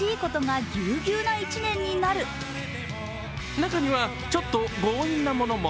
中にはちょっと強引なものも